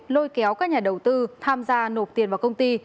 lôi kéo các nhà đầu tư tham gia nộp tiền vào công ty